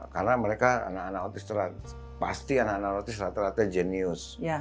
karena mereka anak anak otis pasti anak anak otis rata rata jenius